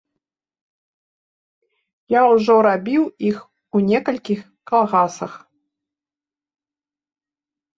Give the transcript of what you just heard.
Я ўжо рабіў іх у некалькіх калгасах.